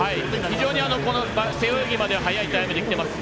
非常に背泳ぎまでは早いタイムできています。